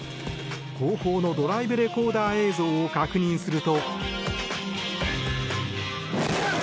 後方のドライブレコーダー映像を確認すると。